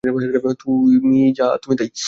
তুমি যা তুমি তাই!